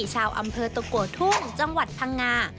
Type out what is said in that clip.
ชาวอำเภอตะโกทุ่งจังหวัดพังงา